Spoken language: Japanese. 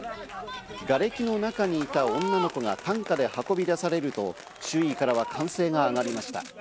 がれきの中にいた女の子が担架で運び出されると、周囲からは歓声が上がりました。